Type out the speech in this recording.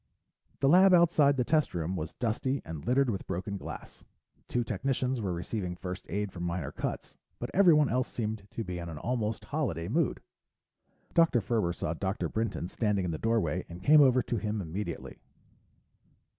The lab outside the test room was dusty and littered with broken glass. Two technicians were receiving first aid for minor cuts, but everyone else seemed to be in an almost holiday mood. Dr. Ferber saw Dr. Brinton standing in the doorway and came over to him immediately.